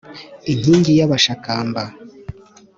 Inkingi y’Abashakamba